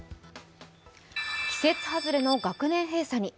季節外れの学年閉鎖に。